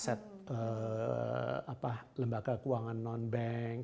aset lembaga keuangan non bank